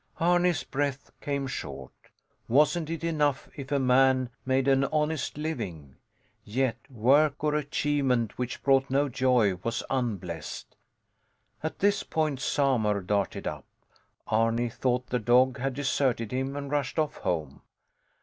Arni's breath came short. Wasn't it enough if a man made an honest living? Yet, work or achievement which brought no joy was unblessed. At this point Samur darted up. Arni thought the dog had deserted him and rushed off home.